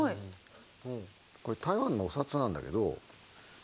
これ台湾のお札なんだけど。